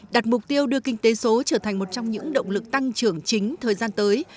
đặt mục tiêu đưa kinh tế số trở thành một trong những động lực tăng trưởng chính thời gian tới